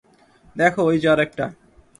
দেখো, ওই যে আরেকটা।